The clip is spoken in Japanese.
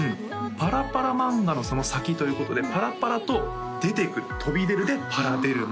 パラパラ漫画のその先ということでパラパラと出てくる飛び出るでパラデル